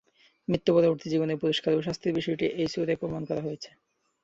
মৃত্যু-পরবর্তী জীবনের পুরস্কার ও শাস্তির বিষয়টি এই সূরায় প্রমাণ করা হয়েছে।